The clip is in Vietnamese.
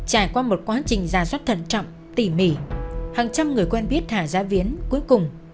hàng trăm người quen biết hà giám viễn cuối cùng